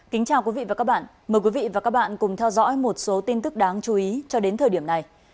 kính chào quý vị và các bạn mời quý vị và các bạn cùng theo dõi một số tin tức đáng chú ý cho đến thời điểm này